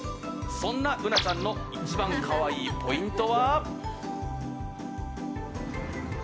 そんな、うなちゃんの一番可愛いポイントは。